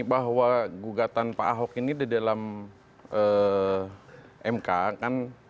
bahwa gugatan pak ahok ini di dalam mk kan